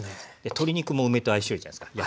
鶏肉も梅と相性いいじゃないですか。